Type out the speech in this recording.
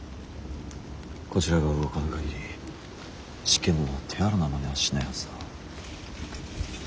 こちらが動かぬ限り執権殿は手荒なまねはしないはずだ。